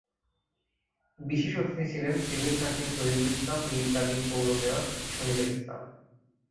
বিশেষ অতিথি ছিলেন সিভিল সার্জন শহীদুল ইসলাম, মীরকাদিম পৌর মেয়র শহীদুল ইসলাম।